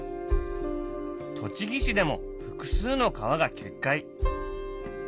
栃木市でも複数の川が決壊。